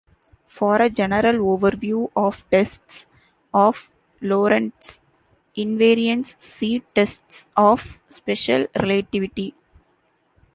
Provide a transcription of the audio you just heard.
For a general overview of tests of Lorentz invariance, see Tests of special relativity.